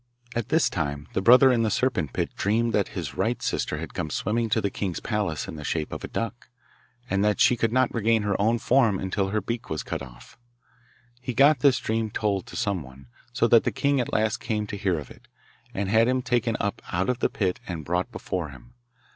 At this time the brother in the serpent pit dreamed that his right sister had come swimming to the king's palace in the shape of a duck, and that she could not regain her own form until her beak was cut off. He got this dream told to some one, so that the king at last came to hear of it, and had him taken up out of the pit and brought before him.